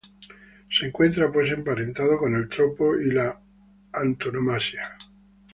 Se encuentra, pues, emparentada con el tropo y la antonomasia.